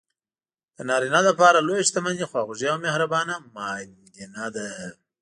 د نارینه لپاره لویه شتمني خواخوږې او مهربانه ماندینه ده.